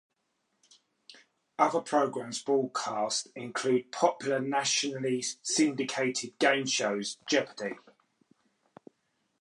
Other programs broadcast include popular nationally syndicated game shows Jeopardy!